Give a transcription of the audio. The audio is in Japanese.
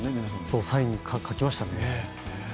そう、サイン書きましたね。